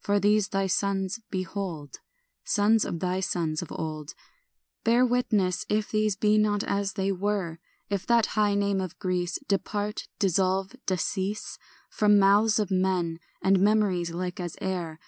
For these thy sons, behold, Sons of thy sons of old, Bear witness if these be not as they were; If that high name of Greece Depart, dissolve, decease From mouths of men and memories like as air.